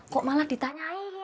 kok malah ditanyain